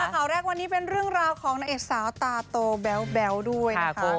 ข่าวแรกวันนี้เป็นเรื่องราวของนางเอกสาวตาโตแบ๊วด้วยนะคะ